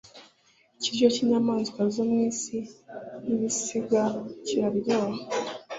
ikiryo cy inyamaswa zo mu isi n ibisiga kiraryoha